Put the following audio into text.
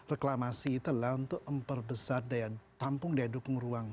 reklamasi itu adalah untuk memperbesar daya tampung daya dukung ruang